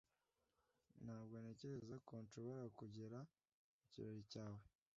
Ntabwo ntekereza ko nshobora kugera mu kirori cyawe